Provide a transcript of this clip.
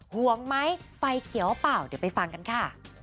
ห่วงไหมไฟเขียวหรือเปล่าเดี๋ยวไปฟังกันค่ะ